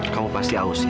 kamu pasti haus ya